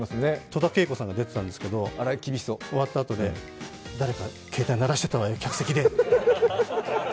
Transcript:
戸田恵子さんが出ていたんですけれども、終わったあとで、誰か携帯鳴らしてたわよね、客席でって。